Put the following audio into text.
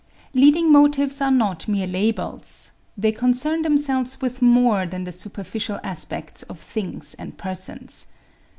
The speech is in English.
Leading motives are not mere labels. They concern themselves with more than the superficial aspect of things and persons.